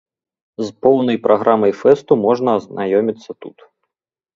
З поўнай праграмай фэсту можна азнаёміцца тут.